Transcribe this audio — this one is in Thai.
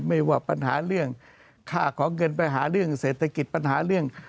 ไม่ว่าปัญหาเรื่องค่าของเงินปัญหาเรื่องเศรษฐกิจปัญหาเรื่อง